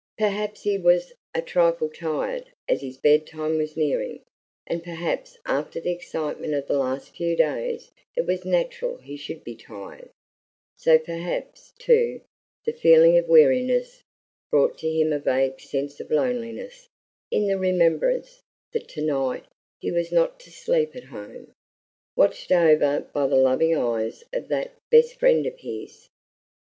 Perhaps he was a trifle tired, as his bed time was nearing, and perhaps after the excitement of the last few days it was natural he should be tired, so perhaps, too, the feeling of weariness brought to him a vague sense of loneliness in the remembrance that to night he was not to sleep at home, watched over by the loving eyes of that "best friend" of his.